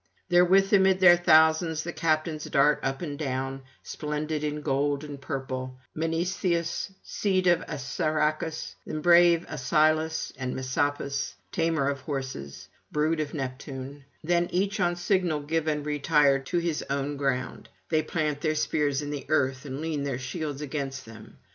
Therewith amid their thousands the captains dart up and down, splendid in gold and purple, Mnestheus, seed of Assaracus, and brave Asilas, and Messapus, tamer of horses, brood of Neptune: then each on signal given retired to his own ground; they plant their spears in the earth and lean their shields against them.